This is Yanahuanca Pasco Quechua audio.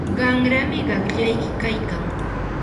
qanrami qaqllayki kaykan.